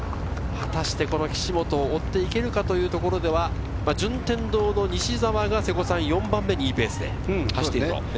果たして、この岸本を追っていけるかというところでは順天堂の西澤が４番目にいいペースで走っていると。